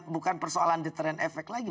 bukan persoalan deteren efek lagi